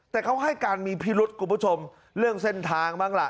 แต่เขาให้การมีพิรุษคุณผู้ชมเรื่องเส้นทางบ้างล่ะ